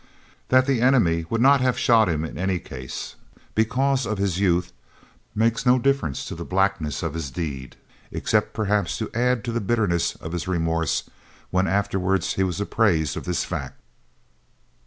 That the enemy would not have shot him in any case, because of his youth, makes no difference to the blackness of his deed, except perhaps to add to the bitterness of his remorse when afterwards he was apprised of this fact.